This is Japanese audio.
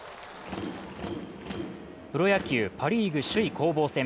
プロ野球、パ・リーグ首位攻防戦。